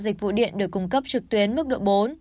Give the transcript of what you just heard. một trăm linh dịch vụ điện được cung cấp trực tuyến mức độ bốn